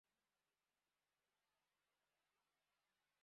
meze umunsigire imyeke umuneni meme